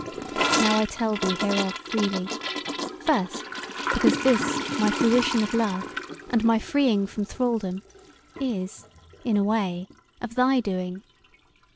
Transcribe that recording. Now I tell thee hereof freely; first, because this my fruition of love, and my freeing from thralldom, is, in a way, of thy doing.